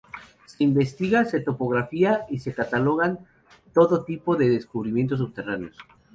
Se investiga, se topografía y se catalogan todo tipo de descubrimientos subterráneos.